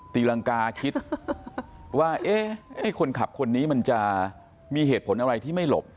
ตีรังกาคิดว่าเอ๊ะคนขับคนนี้มันจะมีเหตุผลอะไรที่ไม่หลบ